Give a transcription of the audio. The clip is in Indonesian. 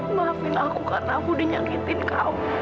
maafkan aku karena aku menyakitkan kamu